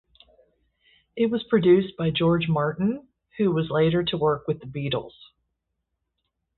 It was produced by George Martin, who was later to work with the Beatles.